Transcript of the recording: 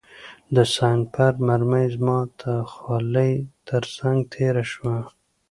د سنایپر مرمۍ زما د خولۍ ترڅنګ تېره شوه